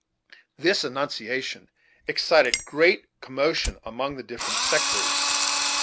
This annunciation excited great commotion among the different sectaries.